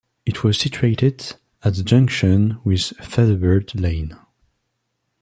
It was situated at the junction with Featherbed Lane.